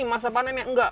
masa panennya enggak